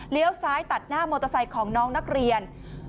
ซ้ายตัดหน้ามอเตอร์ไซค์ของน้องนักเรียน